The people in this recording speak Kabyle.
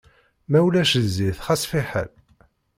Ma ulac zzit xas fiḥel.